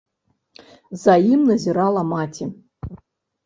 За ім назірала маці.